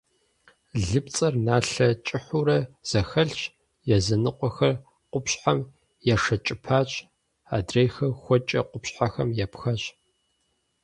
Лыпцӏэр налъэ кӏыхьурэ зэхэлъщ, языныкъуэхэр къупщхьэм ешэкӏыпащ, адрейхэр хуэкӏэ къупщхьэм епхащ.